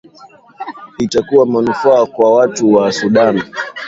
itakuwa manufaa kwa watu ya sudan